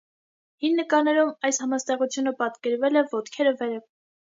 Հին նկարներում այս համաստեղությունը պատկերվել է «ոտքերը վերև»։